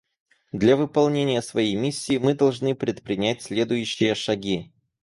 Для выполнения своей миссии мы должны предпринять следующие шаги.